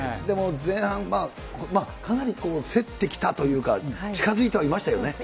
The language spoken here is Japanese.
前半、かなりせってきたというか、近づいてはいましたよね。